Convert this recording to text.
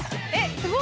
すごい！